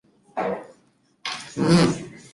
特拉普是法国法兰西岛大区伊夫林省的城市。